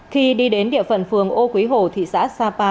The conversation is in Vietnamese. khi đi đến địa phận phường ô quý hồ thị xã sapa